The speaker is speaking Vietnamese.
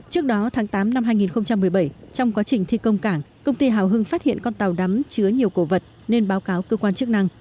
trước đó tháng tám năm hai nghìn một mươi bảy trong quá trình thi công cảng công ty hào hưng phát hiện con tàu đắm chứa nhiều cổ vật nên báo cáo cơ quan chức năng